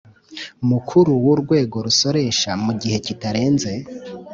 Mukuru w urwego rusoresha mu gihe kitarenze